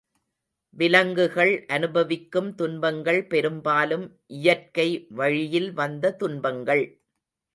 விலங்குகள் அனுபவிக்கும் துன்பங்கள் பெரும்பாலும் இயற்கை வழியில் வந்த துன்பங்கள்.